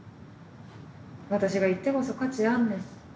私が行ってこそ価値あんねん。